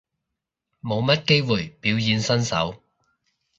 冇乜機會表演身手